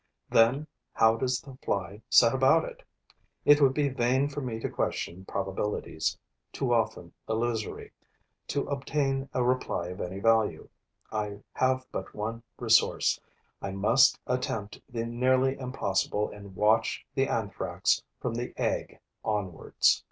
Then how does the fly set about it? It would be vain for me to question probabilities, too often illusory; to obtain a reply of any value, I have but one resource; I must attempt the nearly impossible and watch the Anthrax from the egg onwards.